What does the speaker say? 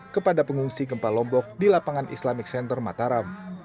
kepada pengungsi gempa lombok di lapangan islamic center mataram